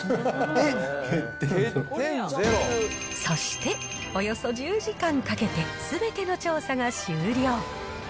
そして、およそ１０時間かけて、すべての調査が終了。